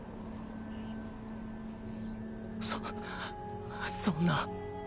そそんな。